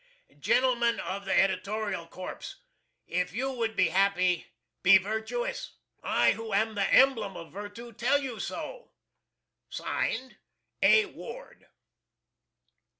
Gentlemen of the editorial corpse, if you would be happy be virtoous! I who am the emblem of virtoo, tell you so. (Signed,) "A Ward."